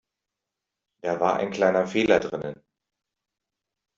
Da war ein kleiner Fehler drinnen.